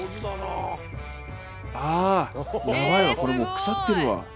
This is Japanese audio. ああやばいわこれもう腐ってるわ。